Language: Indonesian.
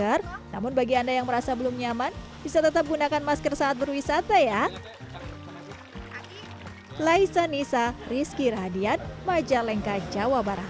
masker namun bagi anda yang merasa belum nyaman bisa tetap gunakan masker saat berwisata ya